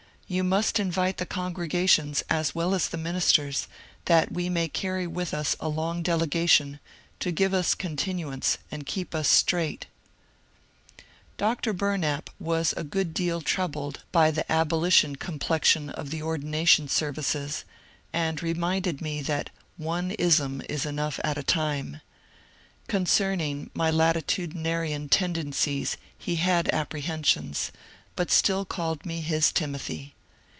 You must invite the congregations as well as the ministers, that we may carry with us a long delegation, to give us continuance and keep us straight. Dr. Bumap was a good deal troubled by *^ the abolition 196 MONCURE DANIEL CONWAY complexioD of the ordination servioes/' and reminded me that " one ism is enough at a time.*' Concerning my latitu dinarian tendencies he had apprehensions, bat still called me his Timothy.